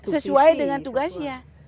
sesuai dengan tugasnya